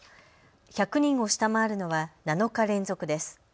１００人を下回るのは７日連続です。